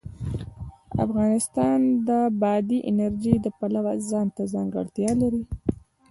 افغانستان د بادي انرژي د پلوه ځانته ځانګړتیا لري.